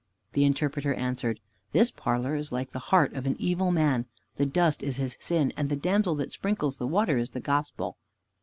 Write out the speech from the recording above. The Interpreter answered, "This parlor is like the heart of an evil man. The dust is his sin, and the damsel that sprinkles the water is the Gospel."